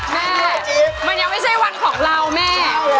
แม่มันยังไม่ใช่วันของเราแม่